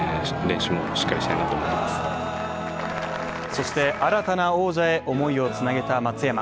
そして、新たな王者へ思いをつなげた松山。